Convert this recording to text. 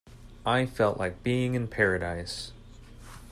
I felt like being in paradise.